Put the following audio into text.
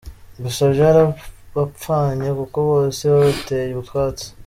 Gusa byarabapfanye kuko bose babateye utwatsi.